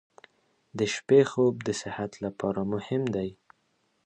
• د شپې خوب د صحت لپاره مهم دی.